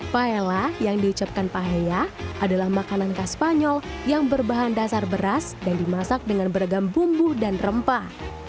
paela yang diucapkan paheya adalah makanan khas spanyol yang berbahan dasar beras dan dimasak dengan beragam bumbu dan rempah